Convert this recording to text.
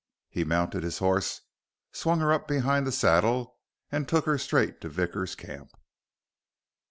He mounted his horse, swung her up behind the saddle, and took her straight to Vickers' camp.